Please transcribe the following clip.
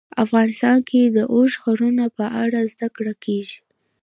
افغانستان کې د اوږده غرونه په اړه زده کړه کېږي.